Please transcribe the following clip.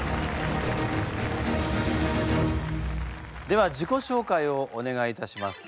では自己紹介をお願いいたします。